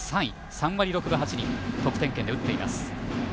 ３割６分８厘得点圏で打っています。